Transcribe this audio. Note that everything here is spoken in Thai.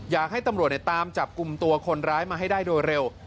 อยากให้ตำรวจตามจับกลุ่มตัวคนร้ายมาให้ได้โดยเร็ว